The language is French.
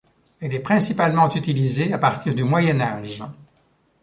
Elle est principalement utilisée à partir du Moyen Âge.